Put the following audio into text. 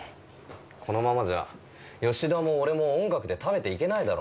このままじゃ、吉田も俺も音楽で食べていけないだろ。